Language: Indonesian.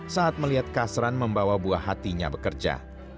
saat melihat kasran membawa buah hatinya bekerja